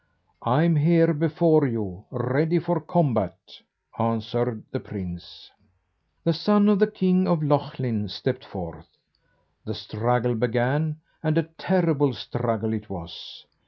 "I'm here before you, ready for combat," answered the prince. Then the son of the king of Lochlin stepped forth. The struggle began, and a terrible struggle it was.